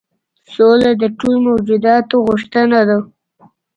سوله د ټولو موجوداتو غوښتنه ده.